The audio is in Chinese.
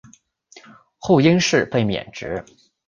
后因事被免职。